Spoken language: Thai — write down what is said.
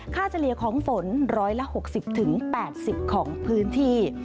ค่าเจรียร์ของฝน๑๖๐๘๐ของพื้นที่